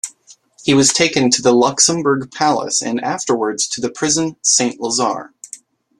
He was taken to the Luxembourg Palace and afterwards to the Prison Saint-Lazare.